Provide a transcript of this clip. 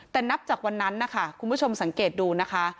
แต่นับจากวันนั้นนะคะคุณผู้ชมสังเกตดูนะคะ